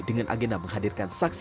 dengan agenda menghadirkan